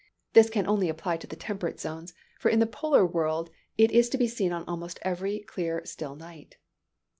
This can only apply to the temperate zones; for in the polar world it is to be seen on almost every clear still night.